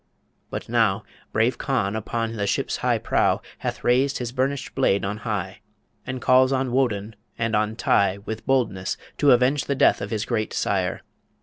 But now Brave Conn upon the ship's high prow Hath raised his burnished blade on high, And calls on Woden and on Tigh With boldness, to avenge the death Of his great sire